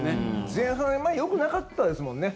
前半よくなかったですもんね。